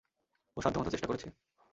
ও সাধ্যমতো চেষ্টা করেছে।